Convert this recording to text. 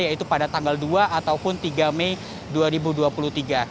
yaitu pada tanggal dua ataupun tiga mei dua ribu dua puluh tiga